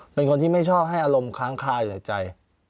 เป็นคนที่ไม่ชอบให้อารมณ์ค้างคายในใจ